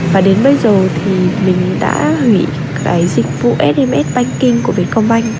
và đến bây giờ thì mình đã hủy cái dịch vụ sms banking của việt công banh